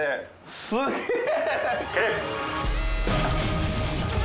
すげえ！